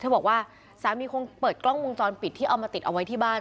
บอกว่าสามีคงเปิดกล้องวงจรปิดที่เอามาติดเอาไว้ที่บ้าน